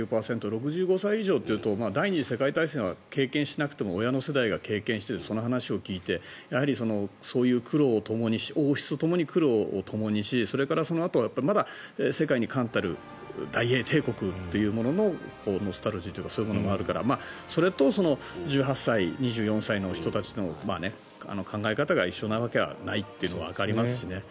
６５歳以上というと第２次世界大戦は経験しなくても親の世代が経験してその話を聞いてそういう苦労を王室とともに苦労をともにしそれから、そのあとはまだ世界に冠たる大英帝国というもののノスタルジーというかそういうものがあるからそれと１８歳、２４歳の人たちの考え方が一緒なわけはないというのはわかりますしね。